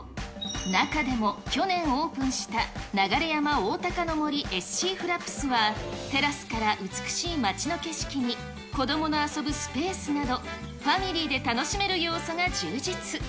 中でも去年オープンした流山おおたかの森Ｓ・Ｃフラップスは、テラスから美しい街の景色に、子どもの遊ぶスペースなど、ファミリーで楽しめる要素が充実。